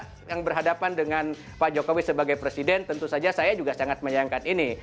karena yang berhadapan dengan pak jokowi sebagai presiden tentu saja saya juga sangat menyayangkan ini